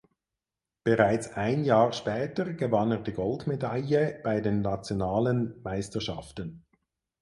Bereits ein Jahr später gewann er die Goldmedaille bei den nationalen Meisterschaften.